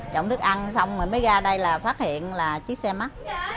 trộm thức ăn xong rồi mới ra đây là phát hiện là chiếc xe mất